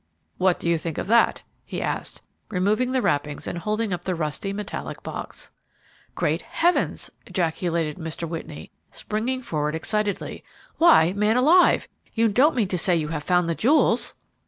"What do you think of that?" he asked, removing the wrappings and holding up the rusty, metallic box. "Great heavens!" ejaculated Mr. Whitney, springing forward excitedly. "Why, man alive, you don't mean to say that you have found the jewels!"